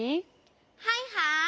はいはい！